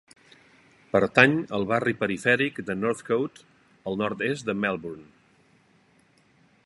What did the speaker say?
Pertany al barri perifèric de Northcote al nord-est de Melbourne.